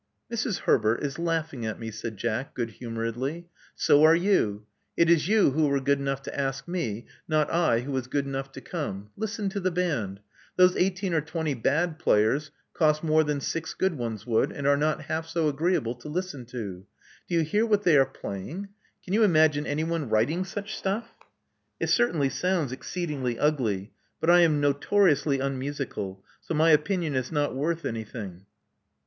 Mrs. Herbert is laughing at me," said Jack, good hum oredly. So are you. It is you who were good enough to ask me, riot I who was good enough to come. Listen to the band. Those eighteen or twenty bad players cost more than six good ones would, and are not half so agreeable to listen to. Do you hear what they are playing? Can you imagine anyone writing such stuff?" '*It certainly sounds exceedingly ugly; but I am notoriously unmusical, so my opinion is not worth anything."